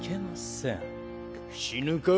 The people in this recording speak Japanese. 死ぬか？